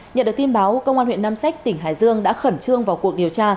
nhận được tin báo công an huyện nam sách tỉnh hải dương đã khẩn trương vào cuộc điều tra